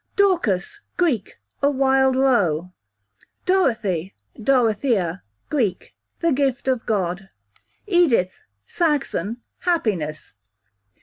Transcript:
Dorcas, Greek, a wild roe. Dorothea/Dorothy, Greek, the gift of God. Edith, Saxon, happiness.